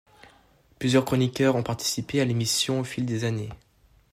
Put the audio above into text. Plusieurs chroniqueurs ont participé à l'émission au fil des années.